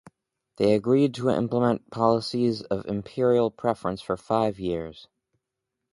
They agreed to implement policies of Imperial Preference for five years.